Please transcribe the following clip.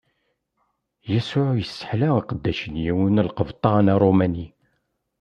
Yasuɛ isseḥla aqeddac n yiwen n lqebṭan Aṛumani.